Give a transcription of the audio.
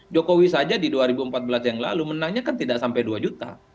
jokowi saja di dua ribu empat belas yang lalu menangnya kan tidak sampai dua juta